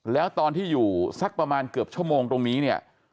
แล้วตอนที่อยู่สักประมาณเกือบชั่วโมงตรงนี้เนี่ย